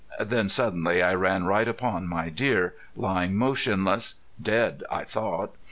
Then suddenly I ran right upon my deer, lying motionless, dead I thought.